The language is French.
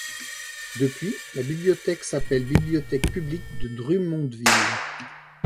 Depuis, la bibliothèque s'appelle Bibliothèque publique de Drummondville.